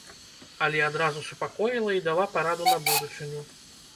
Але адразу супакоіла і дала параду на будучыню.